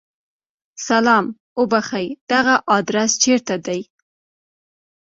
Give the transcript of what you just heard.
سلام! اوبښئ! دغه ادرس چیرته دی؟